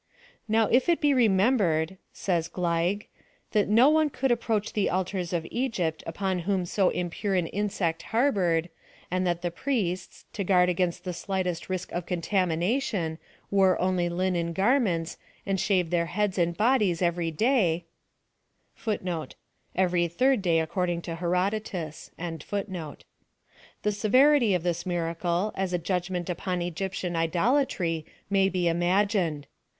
" Now if :t be lef menihered," says Glieg, "that no one could approach the altars of Egypt upon whom so impure an insect harbored ; and that the priests, to guard against the slightest risk of contamination, wore only linen gar ments, and shaved their heads and bodies every day,* the severity of this miracle, as a judgment upon Egyptian idolatry may be imagined.